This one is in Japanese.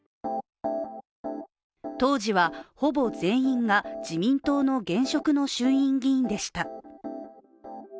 当時は、ほぼ全員が自民党の現職の衆院議員でした。